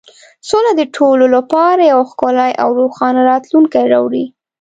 سوله د ټولو لپاره یو ښکلی او روښانه راتلونکی راوړي.